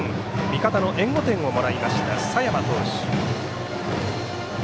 見方の援護点をもらいました佐山投手。